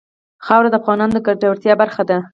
خاوره د افغانانو د ګټورتیا برخه ده.